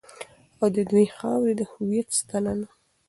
او د دې خاورې د هویت ستنه ده.